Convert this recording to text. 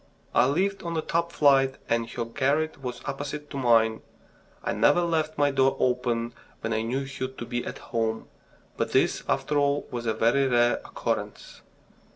I lived on the top flight and her garret was opposite to mine. I never left my door open when I knew her to be at home. But this, after all, was a very rare occurrence.